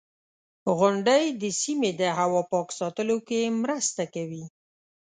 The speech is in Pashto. • غونډۍ د سیمې د هوا پاک ساتلو کې مرسته کوي.